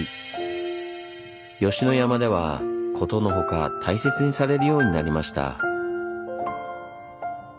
吉野山ではことのほか大切にされるようになりました。